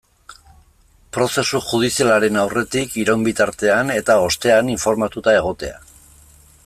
Prozesu judizialaren aurretik, iraun bitartean eta ostean informatuta egotea.